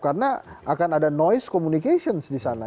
karena akan ada noise communication di sana